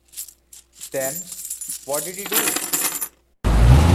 Then what did he do?